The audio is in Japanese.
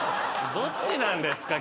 どっちなんですか？